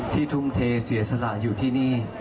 ทุ่มเทเสียสละอยู่ที่นี่